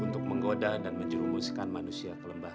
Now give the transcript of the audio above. tak ada yang tahu nasib